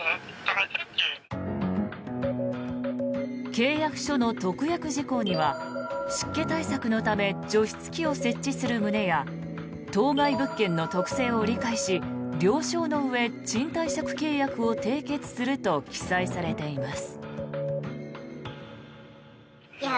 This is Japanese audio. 契約書の特約事項には湿気対策のため除湿機を設置する旨や当該物件の特性を理解し了承のうえ賃貸借契約を締結すると記載されています。